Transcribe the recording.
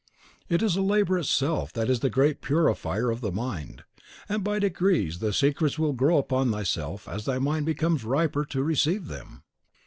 It is labour itself that is the great purifier of the mind; and by degrees the secrets will grow upon thyself as thy mind becomes riper to receive them."